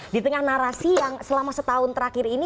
di tengah narasi yang selama setahun terakhir ini